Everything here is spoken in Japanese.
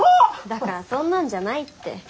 だからそんなんじゃないって。